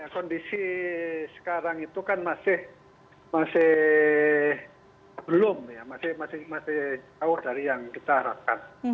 kondisi sekarang itu kan masih belum ya masih jauh dari yang kita harapkan